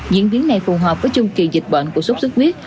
diễn biến này phù hợp với chung kỳ dịch bệnh của số xuất khuyết